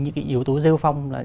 những yếu tố rêu phong